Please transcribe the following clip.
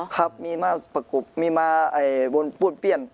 ครับมีมหมาผู้นเป้ม